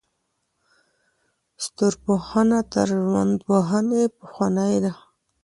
ستورپوهنه تر ژوندپوهنې پخوانۍ ده.